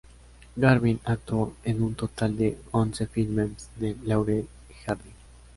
Garvin actuó en un total de once filmes de Laurel y Hardy.